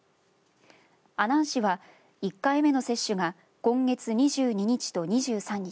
阿南市は１回目の接種が今月２２日と２３日